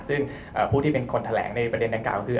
ซึ่งผู้ที่เป็นคนแทรงในประเด็นดางการเช่น